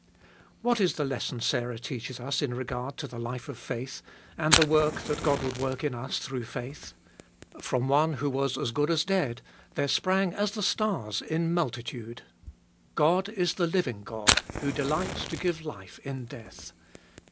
What is the lesson Sarah teaches us in regard to the life of faith, and the work that God would work in us through faith ? From one who was as good as dead there sprang as the stars in multitude. God is the living God, who delights to give life in death.